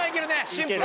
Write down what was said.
シンプル？